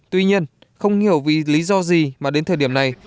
tuy nhiên không hiểu vì lý do gì mà đến thời điểm này